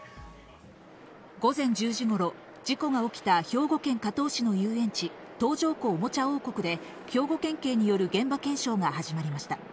午前１０時頃、事故が起きた兵庫県加東市の遊園地、東条湖おもちゃ王国で兵庫県警による現場検証が始まりました。